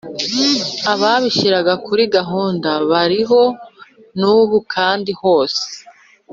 Ababishyiraga kuri gahunda Bariho n’ubu kandi hose